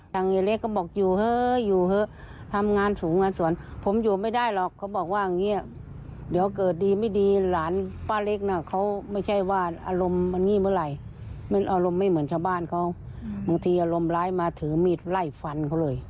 ยายเล็กก็บอกอยู่เฮ้ยอยู่เถอะทำงานสูงงานสวนผมอยู่ไม่ได้หรอกเขาบอกว่าอย่างนี้เดี๋ยวเกิดดีไม่ดีหลานป้าเล็กน่ะเขาไม่ใช่ว่าอารมณ์มันงี่เมื่อไหร่มันอารมณ์ไม่เหมือนชาวบ้านเขาบางทีอารมณ์ร้ายมาถือมีดไล่ฟันเขาเลย